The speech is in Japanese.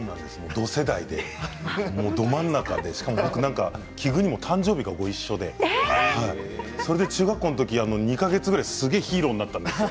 同世代で、ど真ん中で奇遇にも誕生日がごいっしょで中学校の時に２か月ぐらいすげえヒーローになったんです。